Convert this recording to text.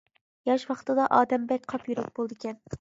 ياش ۋاقتىدا ئادەم بەك قاپ يۈرەك بولىدىكەن.